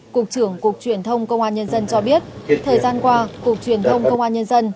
cục trưởng cục truyền thông công an nhân dân cho biết thời gian qua cục truyền thông công an nhân dân